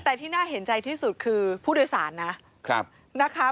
แต่ที่น่าเห็นใจที่สุดคือผู้โดยสารนะนะคะ